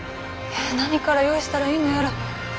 何から用意したらいいのやら。